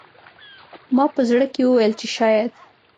ما په زړه کې وویل چې شاید